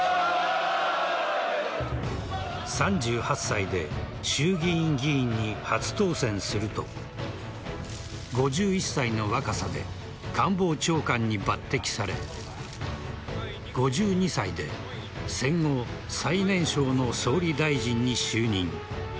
３８歳で衆議院議員に初当選すると５１歳の若さで官房長官に抜擢され５２歳で戦後最年少の総理大臣に就任。